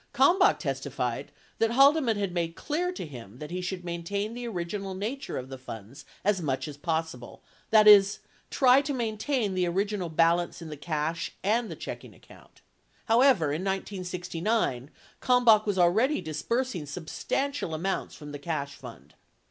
Kalmbach testified that Haldeman had made clear to him that he should maintain the original nature of the funds as much as possible — that is, try to maintain the original balance in the cash and the checking account. However, in 1969 Kalm bach was already disbursing substantial amounts from the cash fund.